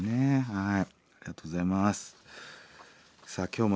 はい。